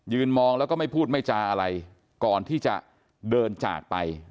มองแล้วก็ไม่พูดไม่จาอะไรก่อนที่จะเดินจากไป